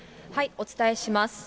お伝えします。